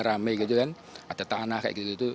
rame gitu kan ada tanah kayak gitu gitu